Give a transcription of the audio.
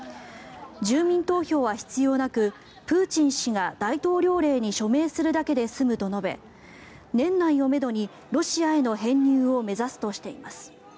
住民投票は必要なくプーチン氏が大統領令に署名するだけで済むと述べ年内をめどにロシアへの編入を目指すとしています。